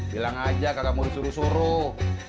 bilang aja kagak mau disuruh suruh